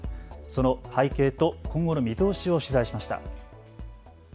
その背景と今後の見通しを取材しました。